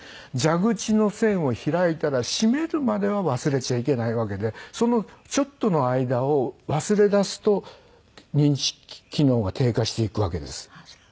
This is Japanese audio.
蛇口の栓を開いたら閉めるまでは忘れちゃいけないわけでそのちょっとの間を忘れだすと認知機能が低下していくわけです。